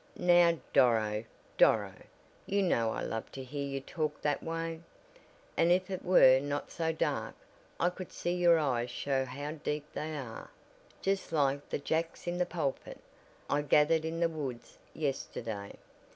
"Now Doro! Doro! You know I love to hear you talk that way. And if it were not so dark I could see your eyes show how deep they are, just like the Jacks in the Pulpit I gathered in the woods yesterday.